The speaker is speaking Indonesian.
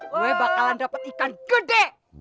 gue bakalan dapat ikan gede